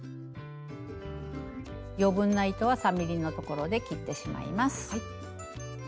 余分な糸は３ｍｍのところで切ってしまいます。